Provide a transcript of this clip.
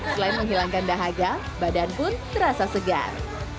selain menghilangkan dahaga badan pun terasa segar